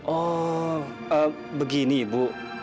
oh begini ibu